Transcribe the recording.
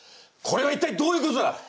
これは一体どういうことだ！？